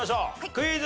クイズ。